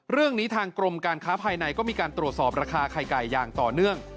เรื่องนี้ทางกรมการค้าภายในก็มีการตรวจสอบราคาไข่ไก่อย่างต่อเนื่อง